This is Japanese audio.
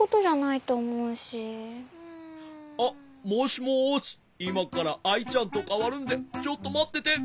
いまからアイちゃんとかわるんでちょっとまってて。